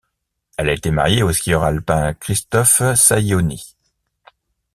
Elle a été mariée au skieur alpin Christophe Saioni.